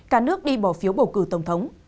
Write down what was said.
cả nước đi bỏ phiếu bầu cử tổng thống